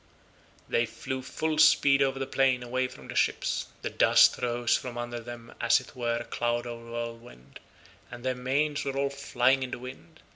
They flew full speed over the plain away from the ships, the dust rose from under them as it were a cloud or whirlwind, and their manes were all flying in the wind.